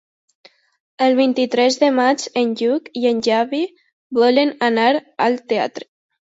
El vint-i-tres de maig en Lluc i en Xavi volen anar al teatre.